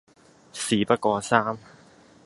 事不過三